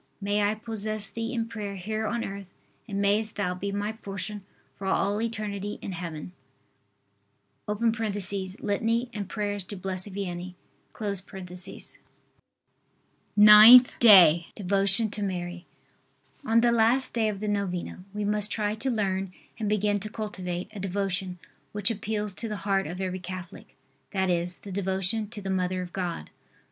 May I possess Thee in prayer here on earth and mayest Thou be my portion for all eternity in Heaven. [Litany and prayers to Blessed Vianney.] NINTH DAY. DEVOTION TO MARY. On the last day of the novena we must try to learn and begin to cultivate a devotion, which appeals to the heart of every Catholic, that is, the devotion to the Mother of God.